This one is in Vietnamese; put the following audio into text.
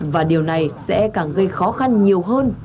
và điều này sẽ càng gây khó khăn nhiều hơn